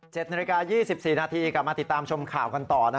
นาฬิกา๒๔นาทีกลับมาติดตามชมข่าวกันต่อ